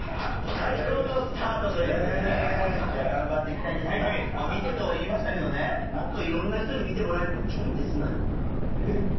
最高のスタートということで、頑張っていきたいですけど、見てとはいいましたけど、もっといろんな人に見ておい、ちょんてすなよ。え？